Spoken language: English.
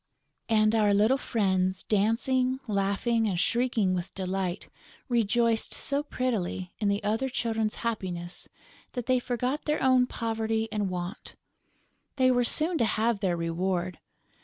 And our little friends, dancing, laughing and shrieking with delight, rejoiced so prettily in the other children's happiness that they forgot their own poverty and want. They were soon to have their reward.